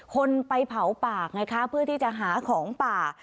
คนไปเผาป่าไงคะเพื่อที่จะหาของป่า